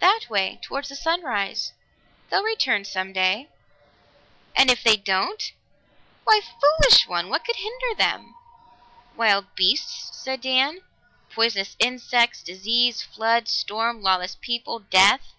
That way toward the sunrise. They'll return some day." "And if they don't?" "Why, foolish one! What could hinder them?" "Wild beasts," said Dan. "Poisonous insects, disease, flood, storm, lawless people, death!"